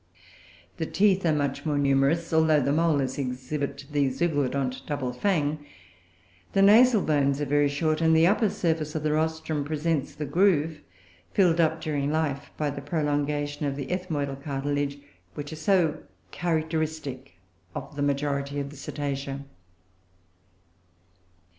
The teeth are much more numerous, although the molars exhibit the zeuglodont double fang; the nasal bones are very short, and the upper surface of the rostrum presents the groove, filled up during life by the prolongation of the ethmoidal cartilage, which is so characteristic of the majority of the Cetacea.